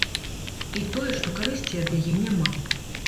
І тое, што карысці ад яе няма.